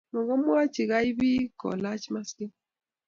mgomwachi gai bik kolach maskit